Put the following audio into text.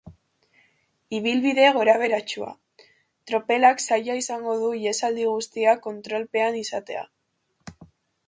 Ibilbide gorabeheratsua, tropelak zaila izango du ihesaldi guztiak kontrolpean izatea.